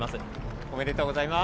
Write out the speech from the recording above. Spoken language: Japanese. おめでとうございます。